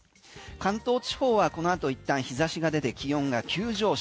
関東地方はこのあといったん日差しが出て気温が急上昇。